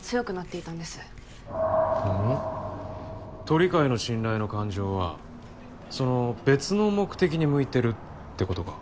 鳥飼の「信頼」の感情はその別の目的に向いてるってことか。